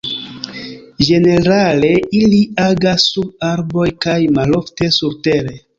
Ĝenerale ili agas sur arboj kaj malofte surtere.